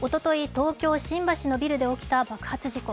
東京・新橋のビルで起きた爆発事故。